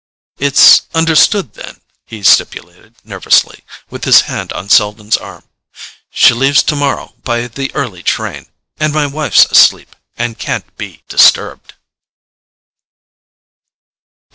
"It's understood, then?" he stipulated nervously, with his hand on Selden's arm. "She leaves tomorrow by the early train—and my wife's asleep, and can't be disturbed."